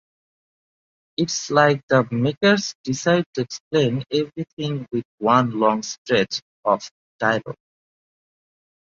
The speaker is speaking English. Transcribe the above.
It’s like the makers decided to explain everything with one long stretch of dialogue.